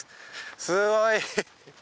すごい！